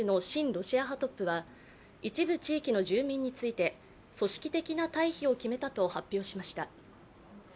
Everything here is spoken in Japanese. ロシア派トップは、一部地域の住民について、組織的な退避を決めたと発表しました。